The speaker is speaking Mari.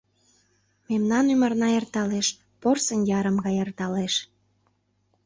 Мемнан ӱмырна эрталеш, порсын ярым гай эрталеш.